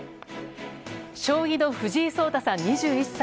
将棋の藤井聡太さん、２１歳。